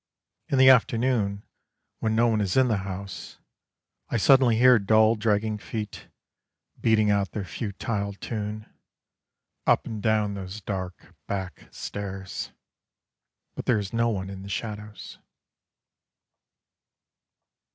In the afternoon When no one is in the house: I suddenly hear dull dragging feet Beating out their futile tune, Up and down those dark back stairs, But there is no one in the shadows.